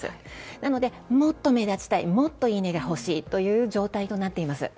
なので、もっと目立ちたいもっといいねが欲しいという状態となっています。